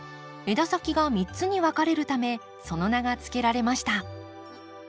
枝先が３つに分かれるためその名が付けられました。